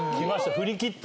振り切った。